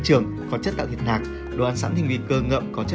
đầu tiên là mộc nhĩ